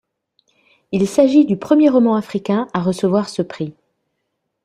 Il s'agit du premier roman africain à recevoir ce prix.